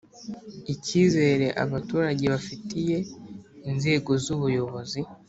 Icyizere abaturage bafitiye inzego z ubuyobozi